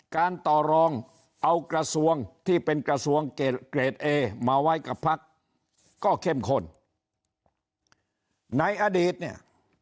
การต่อรองเอากระทรวงที่เป็นกระทรวงเกรดเกรดเอมาไว้กับพักก็เข้มข้นในอดีตเนี่ย